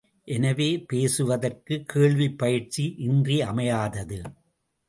எனவே, பேசுவதற்குக் கேள்விப் பயிற்சி இன்றியமையாதது.